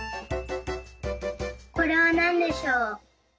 これはなんでしょう。